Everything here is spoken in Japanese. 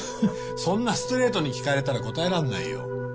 そんなストレートに聞かれたら答えらんないよ。